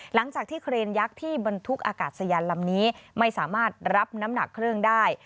หลังจากที่เครนยักษ์ที่บรรทุกอากาศยานลำนี้ไม่สามารถรับน้ำหนักเครื่องได้